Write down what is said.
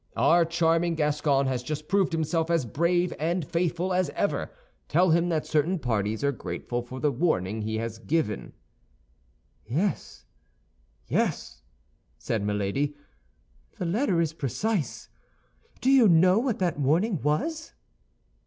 Our charming Gascon has just proved himself as brave and faithful as ever. Tell him that certain parties are grateful for the warning he has given. "Yes, yes," said Milady; "the letter is precise. Do you know what that warning was?"